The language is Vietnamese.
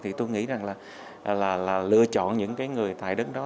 thì tôi nghĩ rằng là lựa chọn những cái người tại đức đó